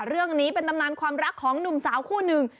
เรื่องนี้เป็นตำนานความรักของหนุ่มสาวคู่หนึ่ง